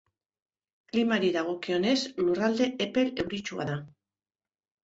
Klimari dagokionez lurralde epel euritsua da.